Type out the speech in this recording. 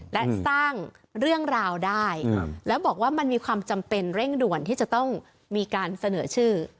และสร้างเรื่องราวได้แล้วบอกว่ามันมีความจำเป็นเร่งด่วนที่จะต้องมีการเสนอชื่อ